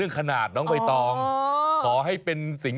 แล้วแต่งูตัวเล็กเนี่ยนะ